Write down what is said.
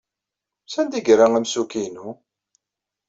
Sanda ay yerra amsukki-inu?